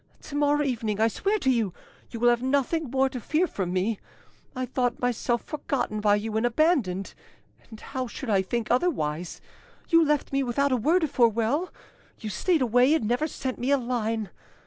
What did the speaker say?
To morrow evening, I swear to you, you will have nothing more to fear from me. I thought myself forgotten by you and abandoned; and how should I think otherwise? You left me without a word of farewell, you stayed away and never sent me a line!